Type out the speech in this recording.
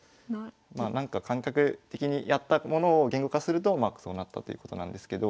まあなんか感覚的にやったものを言語化するとまあそうなったということなんですけど。